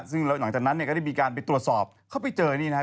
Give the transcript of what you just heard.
ซึ่งหลังจากนั้นก็ได้มีการไปตรวจสอบเขาไปเจออย่างนี้นะฮะ